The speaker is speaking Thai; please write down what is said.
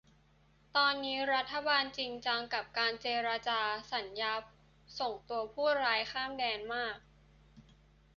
ตอนนี้รัฐบาลจริงจังกับการเจรจาสัญญาส่งผู้ร้ายข้ามแดนมาก